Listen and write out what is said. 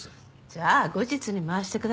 じゃあ後日に回してください。